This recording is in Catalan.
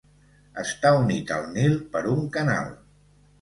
Està unit al Nil per un canal.